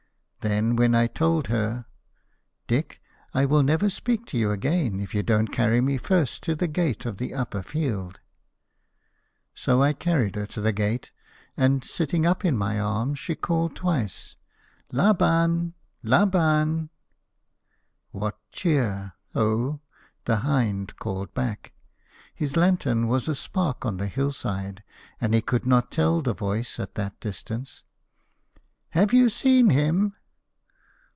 Then, when I told her, "Dick, I will never speak to you again, if you don't carry me first to the gate of the upper field." So I carried her to the gate, and sitting up in my arms she called twice: "Laban Laban!" "What cheer O?" the hind called back. His lantern was a spark on the hill side, and he could not tell the voice at that distance. "Have you seen him?"